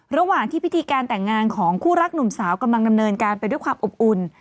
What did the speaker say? ระหว่างที่พิธีการแต่งงานของคู่รักหนุ่มสาวกำลังดำเนินการไปด้วยความอบอุ่น